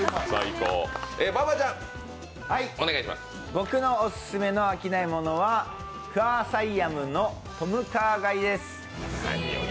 僕のオススメの飽きないものはクァーサイヤムのトムカーガイです。